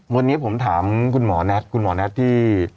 วันนี้ผมถามคุณหมอนัทที่